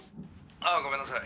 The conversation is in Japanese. ああごめんなさい。